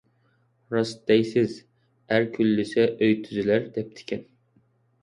راست دەيسىز. «ئەر كۈنلىسە ئۆي تۈزىلەر» دەپتىكەن.